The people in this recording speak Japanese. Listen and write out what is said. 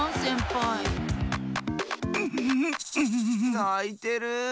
ないてる！